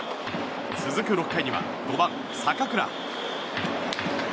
続く６回には５番、坂倉。